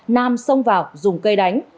nam xông vào dùng cây đánh